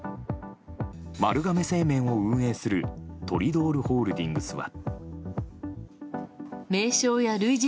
丸亀製麺を運営するトリドールホールディングスは。